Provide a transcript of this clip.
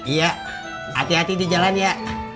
iya hati hati di jalan ya